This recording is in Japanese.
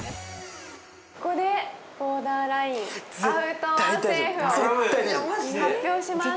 ここでボーダーラインアウトｏｒセーフをいやマジで発表します